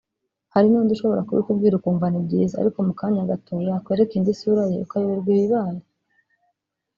hari n’undi ushobora kubikubwira ukumva ni byiza ariko mu kanya gato yakwereka indi sura ye ukayoberwa ibibaye